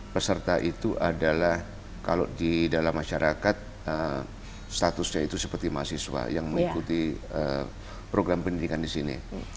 peserta itu adalah kalau di dalam masyarakat statusnya itu seperti mahasiswa yang mengikuti program pendidikan di sini